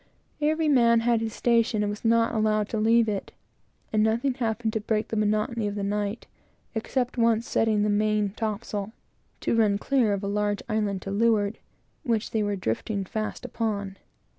Every man had his station, and was not allowed to leave it; and nothing happened to break the monotony of the night, except once setting the main topsails to run clear of a large island to leeward, which they were drifting fast upon.